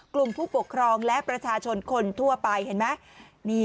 กลุ่มผู้ปกครองและประชาชนคนทั่วไปเห็นไหม